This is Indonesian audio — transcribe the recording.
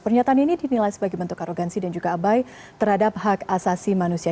pernyataan ini dinilai sebagai bentuk arogansi dan juga abai terhadap hak asasi manusia